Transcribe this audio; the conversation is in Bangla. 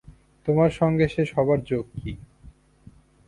তোমার সঙ্গে সে সভার যোগ কী?